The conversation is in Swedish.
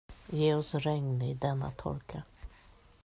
Ge oss regn i denna torka.